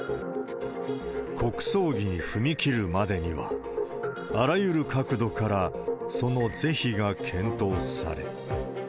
国葬儀に踏み切るまでには、あらゆる角度からその是非が検討され。